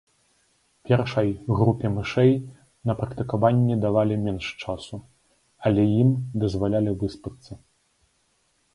Першай групе мышэй на практыкаванні давалі менш часу, але ім дазвалялі выспацца.